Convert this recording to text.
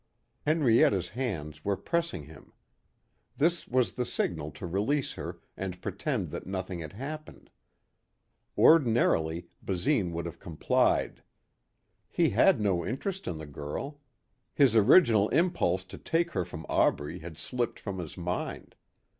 Henrietta's hands were pressing him. This was the signal to release her and pretend that nothing had happened. Ordinarily Basine would have complied. He had no interest in the girl. His original impulse to take her from Aubrey had slipped from his mind.